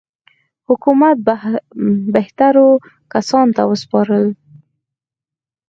حکومت بهترو کسانو ته وسپارو.